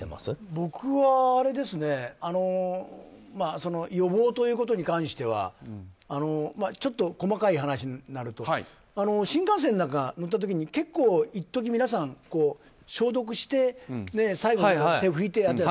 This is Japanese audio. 僕は予防ということに関してはちょっと細かい話になると新幹線なんか乗った時に結構一時皆さん消毒して、最後に手を拭いてって。